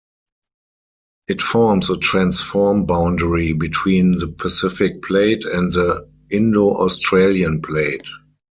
It forms a transform boundary between the Pacific Plate and the Indo-Australian Plate.